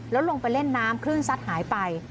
แล้วลงไปเล่นน้ำคลื่นซัดหายไป